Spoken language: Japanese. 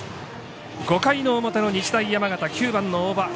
５回の表の日大山形９番の大場。